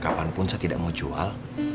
kapanpun saya tidak mau jual